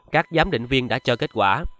các giám định viên đã cho kết quả